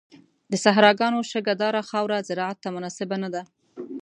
د صحراګانو شګهداره خاوره زراعت ته مناسبه نه ده.